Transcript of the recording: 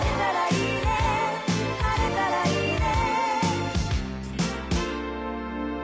「晴れたらいいね」